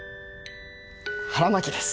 腹巻きです。